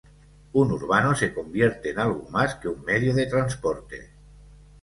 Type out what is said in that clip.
Un urbano se convierte en algo más que un medio de transporte.